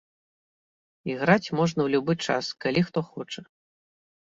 Іграць можна ў любы час, калі хто хоча.